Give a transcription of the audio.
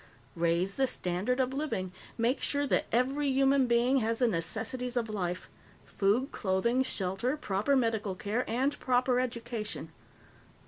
Raise the standard of living. Make sure that every human being has the necessities of life food, clothing, shelter, proper medical care, and proper education.